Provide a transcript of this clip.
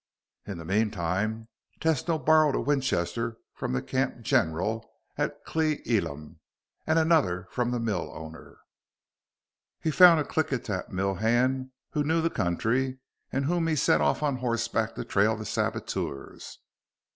In the meantime, Tesno borrowed a Winchester from the camp 'general' at Cle Elum and another from the mill owner. He also found a Klickitat mill hand who knew the country and whom he set off on horseback to trail the saboteurs.